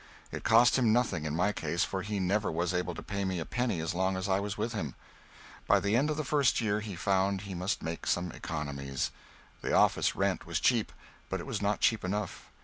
It cost him nothing in my case, for he never was able to pay me a penny as long as I was with him. By the end of the first year he found he must make some economies. The office rent was cheap, but it was not cheap enough.